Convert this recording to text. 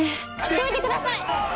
どいてください！